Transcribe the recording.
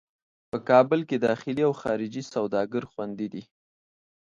په کابل کې داخلي او خارجي سوداګر خوندي دي.